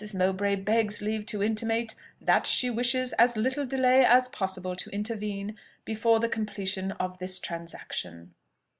Mowbray begs leave to intimate that she wishes as little delay as possible to intervene before the completion of this transaction."